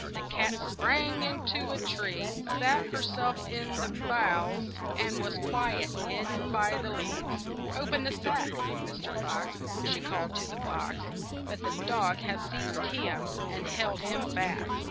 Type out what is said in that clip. The cat sprang in to a tree, sat her self in the boughs, and was quite hid den by the leaves. "O pen the sack, Mr. Fox," she called to the fox, but the dogs had seized him and held him fast.